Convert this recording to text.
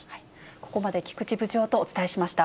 ここまで、菊池部長とお伝えしました。